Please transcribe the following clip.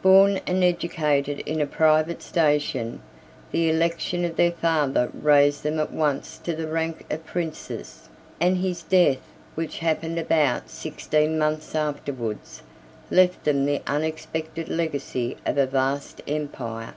Born and educated in a private station, the election of their father raised them at once to the rank of princes; and his death, which happened about sixteen months afterwards, left them the unexpected legacy of a vast empire.